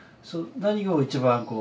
何を一番こう。